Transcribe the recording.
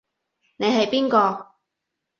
你係邊個？